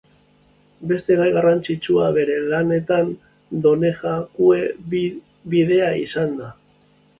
Beste gai garrantzitsua bere lanetan Donejakue bidea izan da.